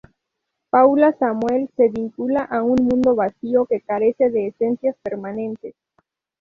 Paula Samuel se vincula a un mundo vacío que carece de esencias permanentes.